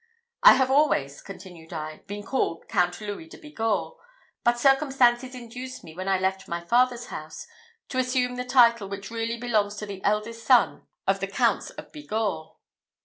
"I have always," continued I, "been called Count Louis de Bigorre; but circumstances induced me, when I left my father's house, to assume the title which really belongs to the eldest son of the Counts of Bigorre."